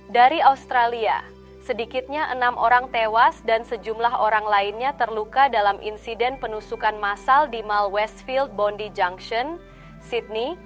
dari australia sedikitnya enam orang tewas dan sejumlah orang lainnya terluka dalam insiden penusukan massal di malwestfield bondi junction sydney